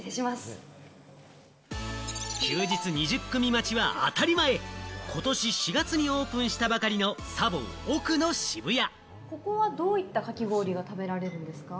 休日、２０組待ちは当たり前、ことし４月にオープンしたばかりの茶房オクノシブヤ。